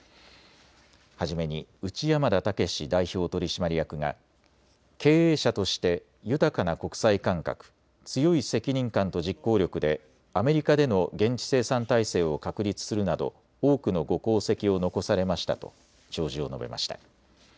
初めに内山田竹志代表取締役が経営者として豊かな国際感覚、強い責任感と実行力でアメリカでの現地生産体制を確立するなど多くのご功績を残されましたと弔辞を述べました。